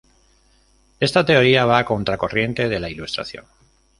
Esta teoría va a contracorriente de la Ilustración.